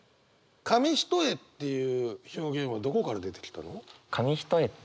「紙一重」っていう表現はどこから出てきたの？